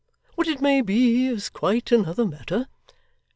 What it may be, is quite another matter.